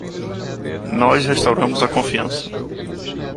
Nós restauramos a confiança